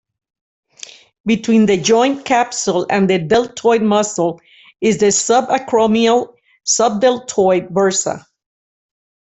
Between the joint capsule and the deltoid muscle is the subacromial-subdeltoid bursa.